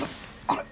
あれ！